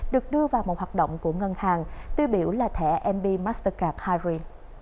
được đưa vào một hoạt động của ngân hàng tuy biểu là thẻ mb mastercard harry